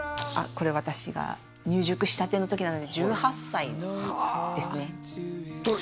これ私が入塾したての時なので１８歳ですねはあ